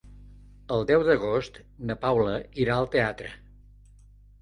El deu d'agost na Paula irà al teatre.